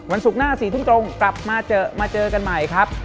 ศุกร์หน้า๔ทุ่มตรงกลับมาเจอมาเจอกันใหม่ครับ